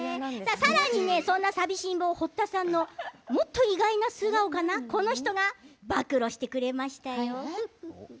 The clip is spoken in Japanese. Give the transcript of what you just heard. さらに、さみしんぼ堀田さんのもっと意外な素顔なこの人が暴露してくれましたよ。